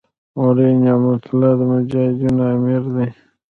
مولوي نعمت الله د مجاهدینو امیر دی.